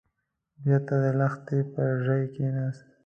بېرته د لښتي پر ژۍ کېناست.